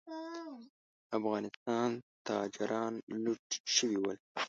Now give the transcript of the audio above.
افغانستان تاجران لوټ شوي ول.